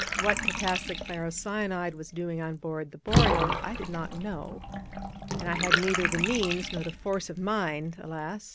What potassic ferrocyanide was doing on board the Boreal I did not know, and I had neither the means, nor the force of mind, alas!